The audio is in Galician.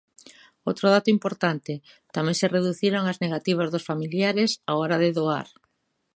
Outro dato importante: tamén se reduciron as negativas dos familiares á hora de doar.